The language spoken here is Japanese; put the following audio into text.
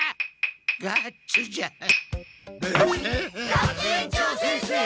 学園長先生！